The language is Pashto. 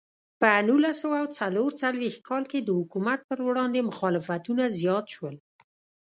په نولس سوه څلور څلوېښت کال کې د حکومت پر وړاندې مخالفتونه زیات شول.